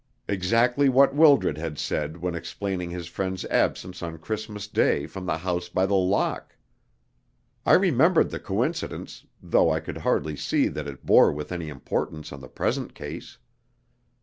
Exactly what Wildred had said, when explaining his friend's absence on Christmas Day from the House by the Lock! I remembered the coincidence, though I could hardly see that it bore with any importance on the present case.